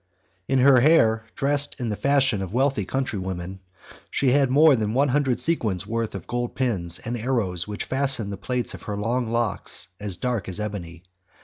In her hair, dressed in the fashion of wealthy countrywomen, she had more than one hundred sequins' worth of gold pins and arrows which fastened the plaits of her long locks as dark as ebony.